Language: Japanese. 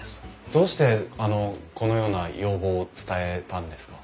どうしてこのような要望を伝えたんですか？